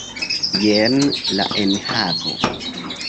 Jen la enhavo!